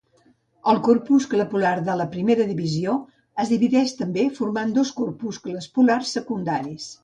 El corpuscle polar de la primera divisió es divideix també formant dos corpuscles polars secundaris.